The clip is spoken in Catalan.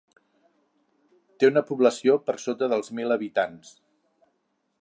Té una població per sota dels mil habitants.